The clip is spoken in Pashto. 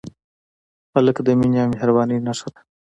هلک د مینې او مهربانۍ نښه ده.